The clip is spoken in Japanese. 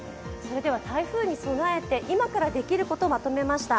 台風に備えて、今からできることをまとめました。